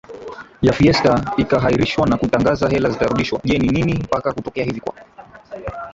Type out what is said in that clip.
ya fiesta ikahairishwa na kutangaza hela zitarudishwa Je nini shida mpaka kutokea hivi kwa